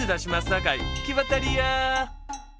さかいきばったりや。